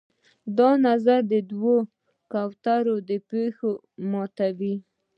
د نظر د دوو کوترو پښې مې ماتي